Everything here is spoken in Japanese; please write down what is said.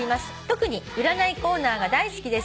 特に占いコーナーが大好きです」